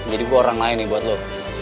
jadi gue orang lain nih buat lo